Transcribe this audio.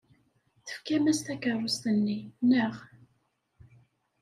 Tefkam-as takeṛṛust-nni, naɣ?